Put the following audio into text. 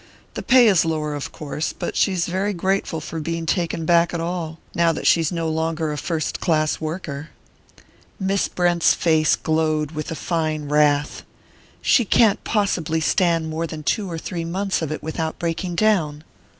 The pay is lower, of course, but she's very grateful for being taken back at all, now that she's no longer a first class worker." Miss Brent's face glowed with a fine wrath. "She can't possibly stand more than two or three months of it without breaking down!"